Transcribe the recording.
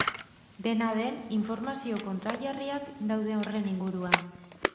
Dena den, informazio kontrajarriak daude horren inguruan.